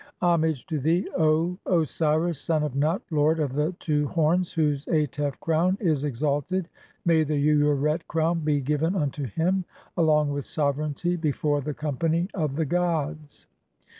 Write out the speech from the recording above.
(17) "Homage to thee, O Osiris, son of Nut, lord of the two "horns, whose Atef crown is exalted, may the Ureret crown be "given unto him, along with sovereignty before the company of "the gods.